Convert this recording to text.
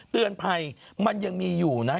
เตือนภัยมันยังมีอยู่นะ